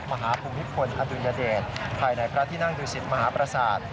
มหาภูมิพธิพลอดุญเดชภายในพระที่นั่งดูสิทธิ์มหาประสาท